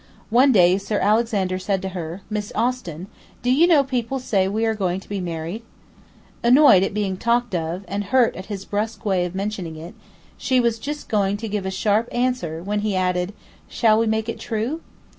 One day Sir Alexander said to her: 'Miss Austin, do you know people say we are going to be married?' Annoyed at being talked of, and hurt at his brusque way of mentioning it, she was just going to give a sharp answer, when he added: 'Shall we make it true?